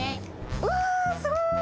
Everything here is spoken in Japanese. うわー、すごい！